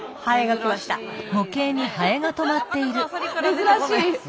珍しい。